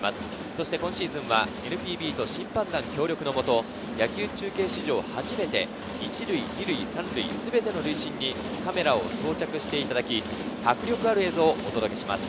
そして今シーズンはＮＰＢと審判団協力のもと野球中継史上初めて、１塁、２塁、３塁すべての塁審にカメラを装着いただき、迫力ある映像をお届けします。